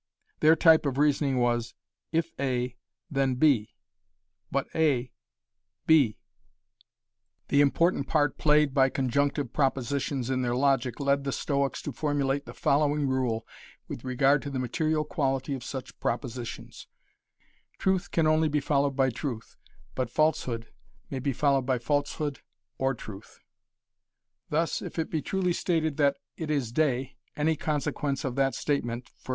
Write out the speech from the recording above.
Their type of reasoning was If A, then B But A B The important part played by conjunctive propositions in their logic led the Stoics to formulate the following rule with regard to the material quality of such propositions: Truth can only be followed by truth, but falsehood may be followed by falsehood or truth. Thus if it be truly stated that it is day, any consequence of that statement, _e.